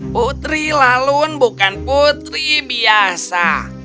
putri lalun bukan putri biasa